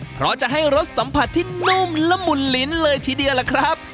เพราะจะให้รสสัมผัสที่นุ่มละมุนลิ้นเลยทีเดียวล่ะครับ